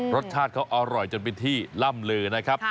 รสชาติเขาอร่อยจนเป็นที่ล่ำลือนะครับ